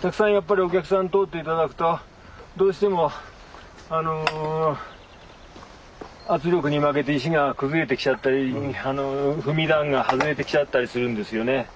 たくさんやっぱりお客さん通って頂くとどうしても圧力に負けて石が崩れてきちゃったり踏み段が外れてきちゃったりするんですよね。